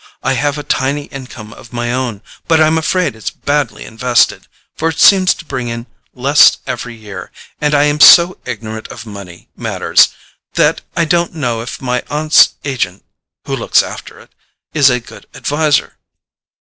I have a tiny income of my own, but I'm afraid it's badly invested, for it seems to bring in less every year, and I am so ignorant of money matters that I don't know if my aunt's agent, who looks after it, is a good adviser."